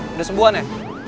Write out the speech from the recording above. udah sembuhan ya